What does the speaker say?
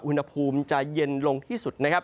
อุณหภูมิจะเย็นลงที่สุด